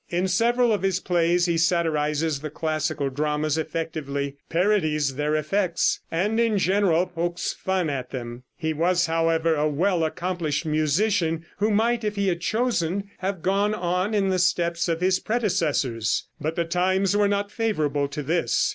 In several of his plays he satirizes the classical dramas effectively, parodies their effects, and in general pokes fun at them. He was, however, a well accomplished musician, who might, if he had chosen, have gone on in the steps of his predecessors. But the times were not favorable to this.